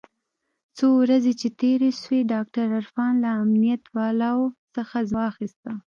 څو ورځې چې تېرې سوې ډاکتر عرفان له امنيت والاو څخه زما اجازه واخيسته.